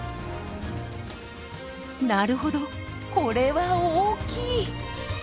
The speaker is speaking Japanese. なるほどこれは大きい！